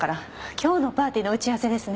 今日のパーティーの打ち合わせですね？